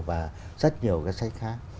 và rất nhiều cái sách khác